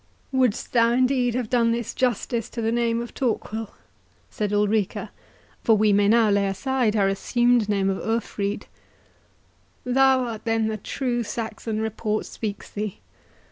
"Wouldst thou indeed have done this justice to the name of Torquil?" said Ulrica, for we may now lay aside her assumed name of Urfried; "thou art then the true Saxon report speaks thee!